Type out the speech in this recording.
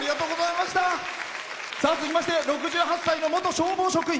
続きまして６８歳の元消防職員。